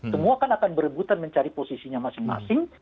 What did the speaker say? semua kan akan berebutan mencari posisinya masing masing